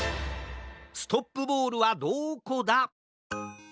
ストップボールはどこだ？